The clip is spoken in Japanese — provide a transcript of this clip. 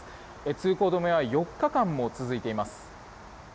通行止めは４日間も続いています。